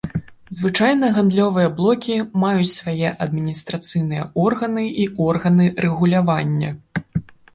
Звычайна гандлёвыя блокі маюць свае адміністрацыйныя органы і органы рэгулявання.